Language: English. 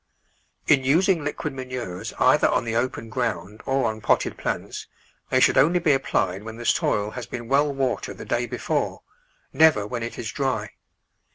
In using liquid manures either on the open ground or on potted plants, they should only be applied when the soil has been well watered the day before, never when it is dry.